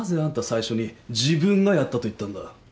最初に自分がやったと言ったんだ？